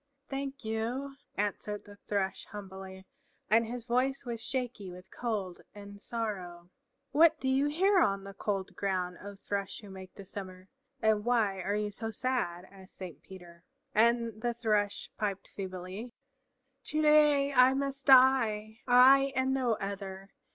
"Thank you," answered the Thrush humbly, and his voice was shaky with cold and sorrow. "What do you here on the cold ground, O Thrush who make the summer, and why are you so sad?" asked Saint Peter. And the Thrush piped feebly, "To day I must die, I and no other!